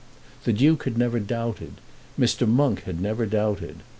The Duke had never doubted. Mr. Monk had never doubted.